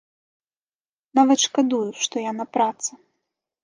Нават шкадую, што я на працы.